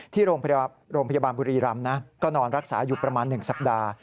ที่โรงพยาบาลบุรีรำนะก็นอนรักษาอยู่ประมาณ๑สัปดาห์